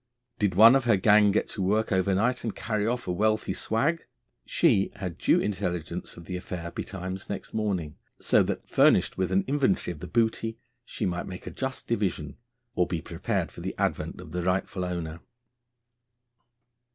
Did one of her gang get to work overnight and carry off a wealthy swag, she had due intelligence of the affair betimes next morning, so that, furnished with an inventory of the booty, she might make a just division, or be prepared for the advent of the rightful owner.